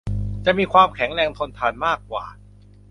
จะมีความแข็งแรงทนทานมากกว่า